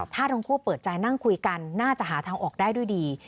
ถ้าทั้งคู่เปิดใจนั่งคุยกันน่าจะหาทางออกได้ด้วยดี